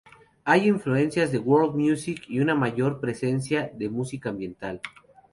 Hay influencias de "world music" y una mayor presencia de música ambiental.